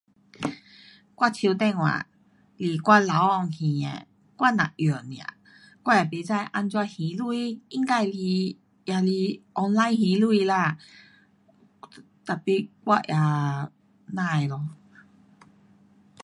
我手电话是我老公还的，我只用 nia, 我也不知怎样还钱，应该是，也是 online 还钱啦，tapi 我也不知咯。